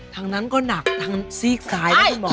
ทางนั้นก็หนักทางซีกซ้ายนะคุณหมอ